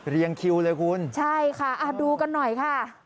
คิวเลยคุณใช่ค่ะดูกันหน่อยค่ะ